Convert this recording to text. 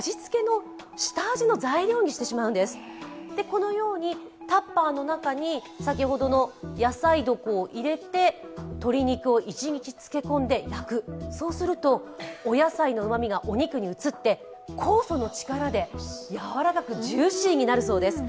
このようにタッパーの中に先ほどの野菜床を入れて、鶏肉を一日漬け込んで焼く、そうすると、お野菜のうまみがお肉に移って、酵素の力でやわらかく、ジューシーになるそうです。